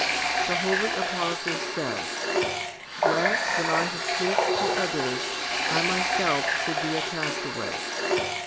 The holy apostle says, Lest, when I have preached to others, I myself should be a castaway.'